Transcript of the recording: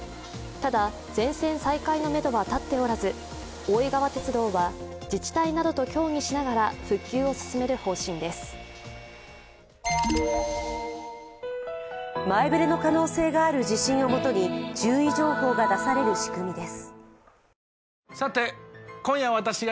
ただ全線再開のめどは立っておらず、大井川鐵道は自治体などと協議しながら復旧を進める方針です。